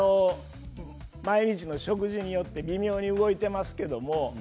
毎日の食事によって微妙に動いていますけれども。